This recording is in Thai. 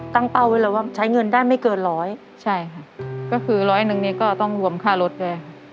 เป้าไว้แล้วว่าใช้เงินได้ไม่เกินร้อยใช่ค่ะก็คือร้อยหนึ่งนี้ก็ต้องรวมค่ารถด้วยค่ะ